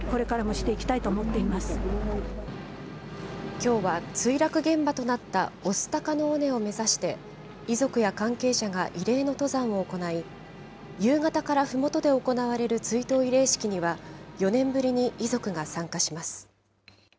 きょうは、墜落現場となった御巣鷹の尾根を目指して、遺族や関係者が慰霊の登山を行い、夕方からふもとで行われる追悼慰霊式には４年ぶりに遺族が参加します。